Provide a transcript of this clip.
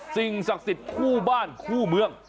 สิ่งศักดิ์สิทธิ์คู่บ้านคู่เมือง